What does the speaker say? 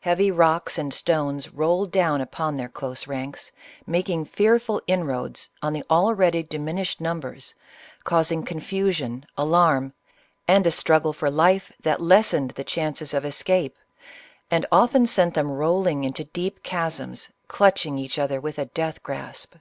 Heavy rocks and stones rolled, down upon tlu ir close ranks, making fearful inroads on the already diminished numbers, causing confusion, alarm, and a struggle for life that lessened the chances of escape, and often sent them rolling into deep chasms, clutching each other with a death grasp.